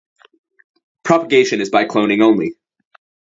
Propagation is by cloning only.